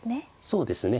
そうですね。